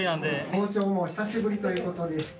包丁も久しぶりということで。